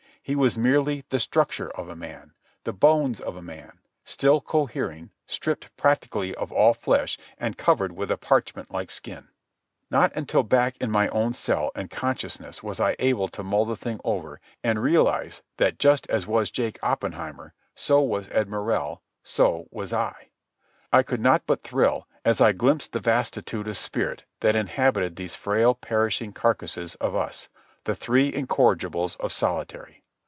He was merely the structure of a man, the bones of a man, still cohering, stripped practically of all flesh and covered with a parchment like skin. Not until back in my own cell and consciousness was I able to mull the thing over and realize that just as was Jake Oppenheimer, so was Ed Morrell, so was I. And I could not but thrill as I glimpsed the vastitude of spirit that inhabited these frail, perishing carcasses of us—the three incorrigibles of solitary.